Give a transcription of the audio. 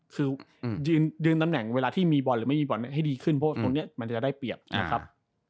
คือยืนตำแหน่งเวลาที่มีบอลหรือไม่มีบอลให้ดีขึ้นเพราะว่าตรงนี้มันจะได้เปรียบนะครับ